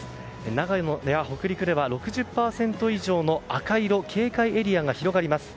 長野や北陸では６０％以上の赤色警戒エリアが広がります。